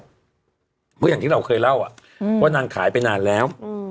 เพราะอย่างที่เราเคยเล่าว่านางขายไปนานแล้ว